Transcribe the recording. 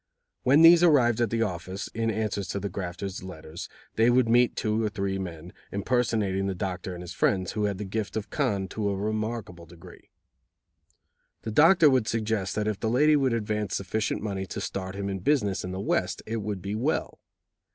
When these arrived at the office, in answer to the grafters' letters, they would meet two or three men, impersonating the doctor and his friends, who had the gift of "con" to a remarkable degree. The doctor would suggest that if the lady would advance sufficient money to start him in business in the West it would be well.